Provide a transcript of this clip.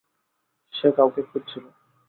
সে কাউকে খুঁজছিল।